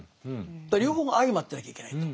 だから両方が相まってなきゃいけないと。